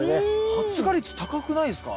発芽率高くないですか？